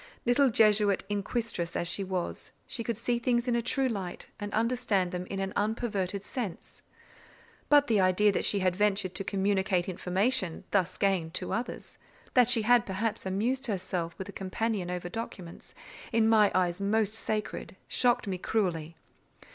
Little Jesuit inquisitress as she was, she could see things in a true light, and understand them in an unperverted sense; but the idea that she had ventured to communicate information, thus gained, to others; that she had, perhaps, amused herself with a companion over documents, in my eyes most sacred, shocked me cruelly.